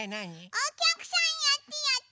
おきゃくさんやってやって。